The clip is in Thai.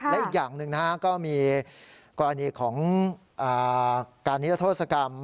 และอีกอย่างหนึ่งก็มีกรณีของการนิรโทษกรรม